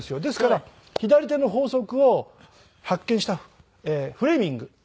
ですから左手の法則を発見したフレミング。